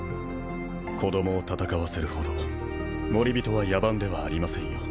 子どもを戦わせるほどモリビトは野蛮ではありませんよ。